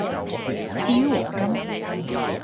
至於黃金